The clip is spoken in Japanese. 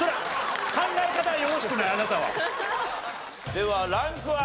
ではランクは？